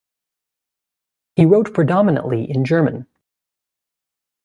He wrote predominantly in German.